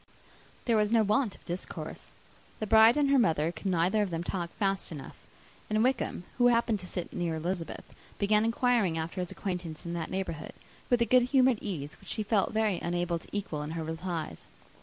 There was no want of discourse. The bride and her mother could neither of them talk fast enough; and Wickham, who happened to sit near Elizabeth, began inquiring after his acquaintance in that neighbourhood, with a good humoured ease, which she felt very unable to equal in her replies.